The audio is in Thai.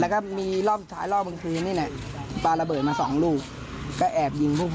แล้วก็มีรอบสุดท้ายรอบกลางคืนนี่แหละปลาระเบิดมาสองลูกก็แอบยิงพวกพ่อ